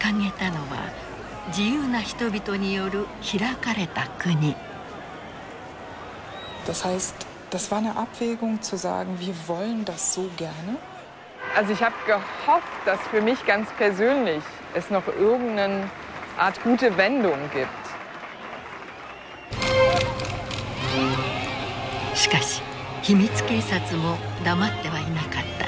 掲げたのはしかし秘密警察も黙ってはいなかった。